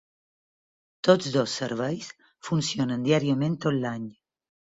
Tots dos serveis funcionen diàriament tot l'any.